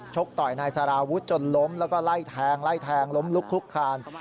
ชกต่อยนายสาราวุธจนล้มแล้วก็ไล่แทงล้มลุกคุกคาน